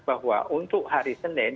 bahwa untuk hari senin